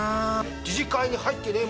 自治会に入ってねえ